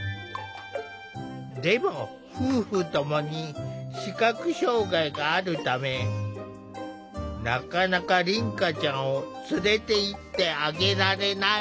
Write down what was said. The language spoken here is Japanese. でも夫婦共に視覚障害があるためなかなか凛花ちゃんを連れていってあげられない。